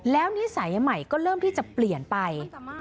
แล้วนิสัยใหม่ก็เริ่มที่จะเปลี่ยนไป